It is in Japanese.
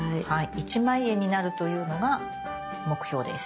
一枚絵になるというのが目標です。